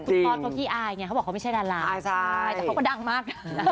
คุณตอสเขาขี้อายไงเขาบอกเขาไม่ใช่ดาราใช่แต่เขาก็ดังมากนะ